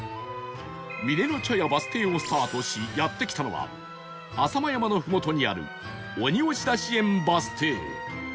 峰の茶屋バス停をスタートしやって来たのは浅間山のふもとにある鬼押出し園バス停